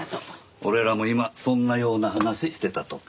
俺らも今そんなような話してたとこ。